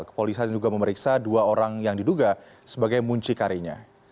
kepolisian juga memeriksa dua orang yang diduga sebagai muncikarinya